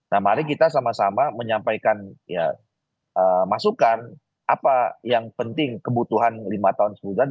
nah mari kita sama sama menyampaikan masukan apa yang penting kebutuhan lima tahun sebulan